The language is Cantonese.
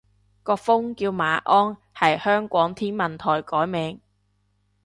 個風叫馬鞍，係香港天文台改名